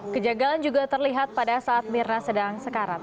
kejagalan juga terlihat pada saat mirna sedang sekarat